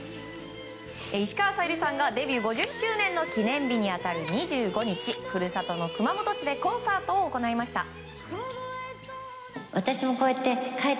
石川さゆりさんがデビュー５０周年の記念日に当たる２５日故郷の熊本市でコンサートを行いました。